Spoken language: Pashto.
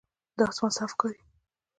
دا آسمان صاف ښکاري.